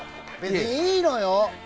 いいのよ。